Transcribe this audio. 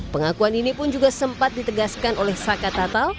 pengakuan ini pun juga sempat ditegaskan oleh saka tatal